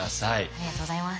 ありがとうございます。